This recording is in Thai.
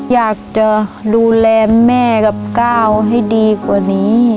อยากจะดูแลแม่กับก้าวให้ดีกว่านี้